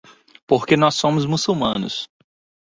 Porque nós somos muçulmanos.